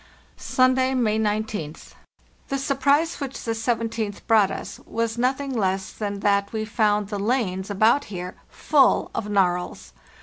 "Sunday, May 19th. The surprise which the Seven teenth brought us was nothing less than that we found the lanes about here full of narwhals.